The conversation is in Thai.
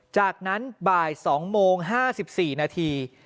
จากนั้นบ่าย๒โมง๕๔นาที